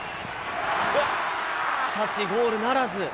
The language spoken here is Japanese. しかし、ゴールならず。